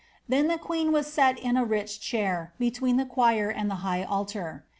Then the in a rich chair, between the choir and the high altar.